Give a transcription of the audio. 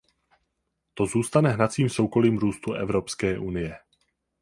To zůstane hnacím soukolím růstu Evropské unie.